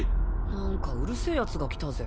なんかうるせぇヤツが来たぜ。